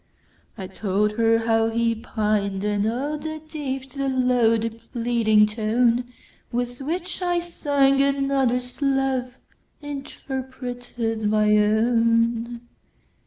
I told her how he pined: and, ah! The deep, the low, the pleading toneWith which I sang another's loveInterpreted my own.